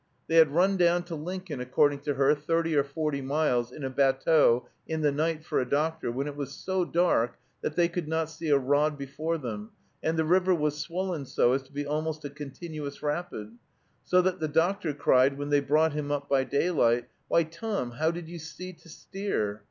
They had run down to Lincoln, according to her, thirty or forty miles, in a batteau, in the night, for a doctor, when it was so dark that they could not see a rod before them, and the river was swollen so as to be almost a continuous rapid, so that the doctor cried, when they brought him up by daylight, "Why, Tom, how did you see to steer?"